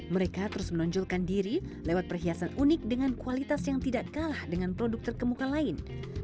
mereka terus menonjolkan diri lewat perhiasan unik dengan kualitas yang tidak kalah dengan produk terkemuka lain